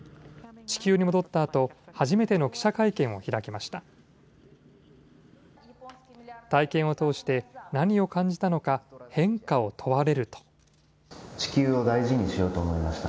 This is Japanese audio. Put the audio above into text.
地球に戻ったあと、初めての記者会見を開きました。